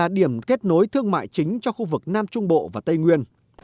điểm kết nối thương mại chính cho khu vực nam trung bộ và tây nguyên